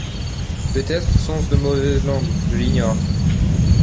Peut-être sont-ce de mauvaises langues : je l’ignore.